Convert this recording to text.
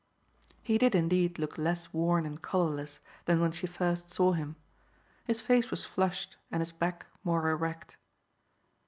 He did indeed look less worn and colourless than when she first saw him. His face was flushed and his back more erect.